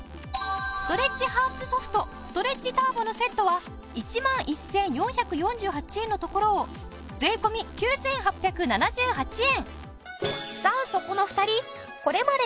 ストレッチハーツソフトストレッチターボのセットは１万１４４８円のところを税込９８７８円。